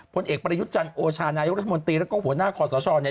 ผลเอกประยุทธ์จันทร์โอชานายกรัฐมนตรีแล้วก็หัวหน้าคอสชเนี่ย